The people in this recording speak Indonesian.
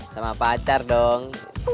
sama pacar dong